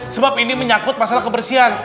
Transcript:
sebab ini menyangkut masalah kebersihan